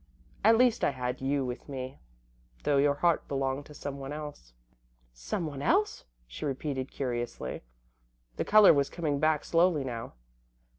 At least I had you with me, though your heart belonged to someone else." "Someone else?" she repeated, curiously. The colour was coming back slowly now.